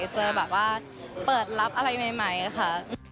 เจอแบบว่าเปิดรับอะไรใหม่ค่ะ